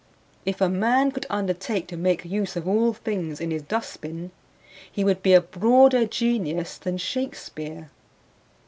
If a man could undertake to make use of all things in his dustbin he would be a broader genius than Shakespeare.